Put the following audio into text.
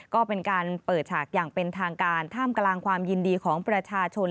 ก็เป็นการเปิดฉากอย่างเป็นทางการท่ามกลางความยินดีของประชาชน